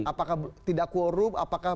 apakah tidak quorum apakah